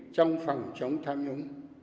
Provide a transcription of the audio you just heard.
trong phòng chống tham nhũng